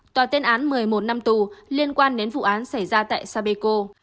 tòa tuyên án một mươi một năm tù liên quan đến vụ án xảy ra tại sapeco